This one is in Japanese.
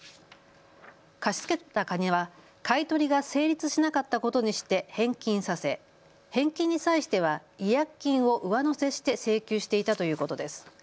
貸し付けた金は買い取りが成立しなかったことにして返金させ返金に際しては違約金を上乗せして請求していたということです。